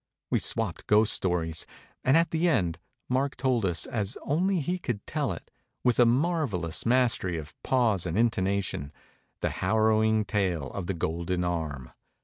We swapped ghost stories; and at the end Mark told us, as only he could tell it, with a marvel lous mastery of pause and intonation, the har rowing tale of the * Golden Arm.'